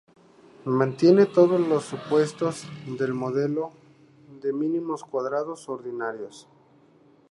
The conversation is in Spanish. Mantiene todos los supuestos del modelo de mínimos cuadrados ordinarios.